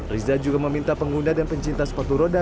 riza juga meminta pengguna dan pencinta sepatu roda